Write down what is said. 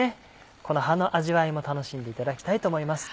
この葉の味わいも楽しんでいただきたいと思います。